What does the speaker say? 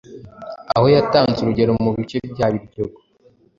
aho yatanze urugero mu bice bya Biryogo,